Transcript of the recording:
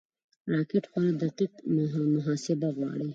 راکټ خورا دقیق محاسبه غواړي